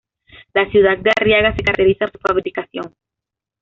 La ciudad de Arriaga se caracteriza por su fabricación.